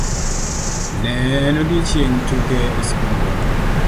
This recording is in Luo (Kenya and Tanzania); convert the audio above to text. Ne en odiochieng' tuke e skundwa.